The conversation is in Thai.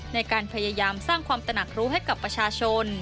ในการพยายามสร้างความตนักรู้ให้กับประชาชน